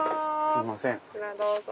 すいません。